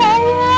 justu ini agi